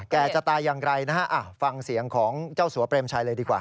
จะตายอย่างไรนะฮะฟังเสียงของเจ้าสัวเปรมชัยเลยดีกว่า